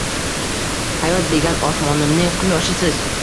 Hayot degan osmonimning quyoshisiz